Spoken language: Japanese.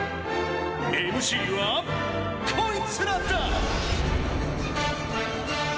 ＭＣはこいつらだ。